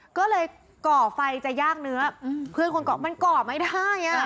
ก็เลยก่อไฟจะย่างเนื้อเพื่อนคนเกาะมันก่อไม่ได้